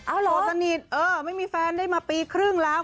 เอ้าเหรอโสดสนิทไม่มีแฟนได้มาปีครึ่งแล้ว